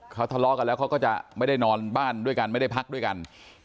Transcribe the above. เขาทะเลาะกันแล้วเขาก็จะไม่ได้นอนบ้านด้วยกันไม่ได้พักด้วยกัน